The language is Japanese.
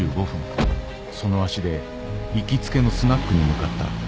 その足で行きつけのスナックに向かった。